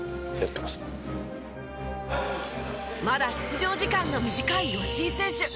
まだ出場時間の短い吉井選手。